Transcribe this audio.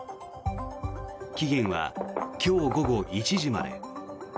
期限は今日午後１時まで。